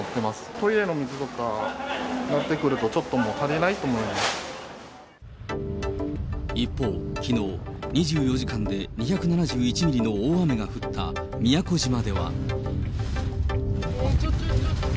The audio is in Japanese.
トイレの水とかもってなってくると、ちょっともう、足りないと思一方、きのう、２４時間で２７１ミリの大雨が降った宮古島では。